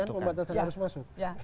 tanya tanya pembatasan yang harus masuk